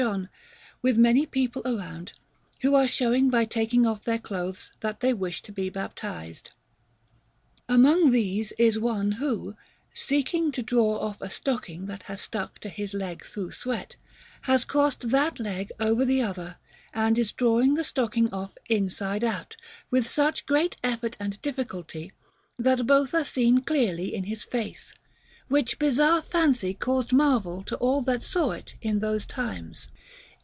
John, with many people around, who are showing by taking off their clothes that they wish to be baptized. Among these is one who, seeking to draw off a stocking that has stuck to his leg through sweat, has crossed that leg over the other and is drawing the stocking off inside out, with such great effort and difficulty, that both are seen clearly in his face; which bizarre fancy caused marvel to all who saw it in those times.